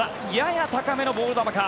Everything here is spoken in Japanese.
やや高めのボール球か。